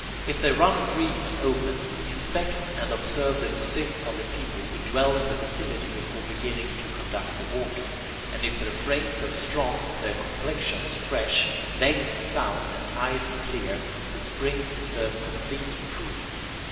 If they run free and open, inspect and observe the physique of the people who dwell in the vicinity before beginning to conduct the water, and if their frames are strong, their complexions fresh, legs sound, and eyes clear, the springs deserve complete approval.